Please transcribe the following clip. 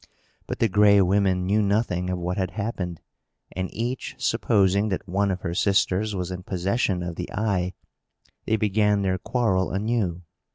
But the Gray Women knew nothing of what had happened; and, each supposing that one of her sisters was in possession of the eye, they began their quarrel anew.